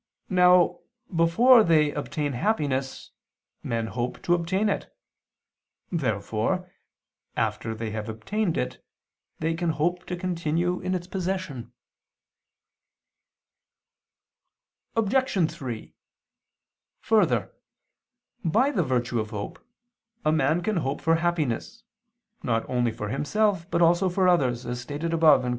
Now, before they obtain happiness, men hope to obtain it. Therefore, after they have obtained it, they can hope to continue in its possession. Obj. 3: Further, by the virtue of hope, a man can hope for happiness, not only for himself, but also for others, as stated above (Q.